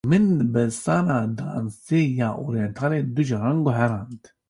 Min dibistana dansê ya oryentalê du caran guherand.